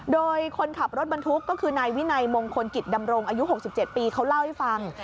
โดยคนขับรถบรรทุกก็คือนายวินัยมงคลกิจดำรงอายุ๖๗ปีเขาเล่าให้ฟัง